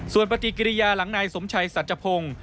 ส่วนปฏิกิริยาหลังนายสมชัยสัจพงศ์